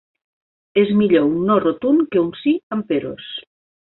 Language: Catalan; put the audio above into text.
És millor un no rotund, que un sí amb peròs.